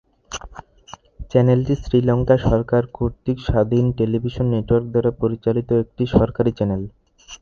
চ্যানেলটি শ্রীলঙ্কা সরকার কর্তৃক স্বাধীন টেলিভিশন নেটওয়ার্ক দ্বারা পরিচালিত একটি সরকারী চ্যানেল।